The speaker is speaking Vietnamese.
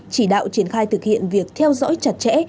chỉ đạo triển khai thực hiện việc theo dõi chặt chẽ